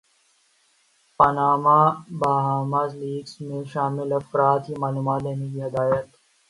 Panama Bahamas leaks میں شامل افراد کی معلومات لینے کی ہدایت